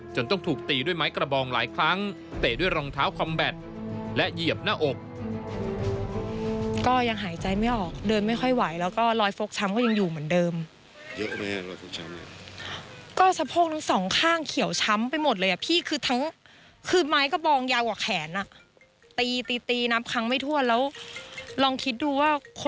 จนต้องถูกตีด้วยไม้กระบองหลายครั้งเตะด้วยรองเท้าคอมแบตและเหยียบหน้าอก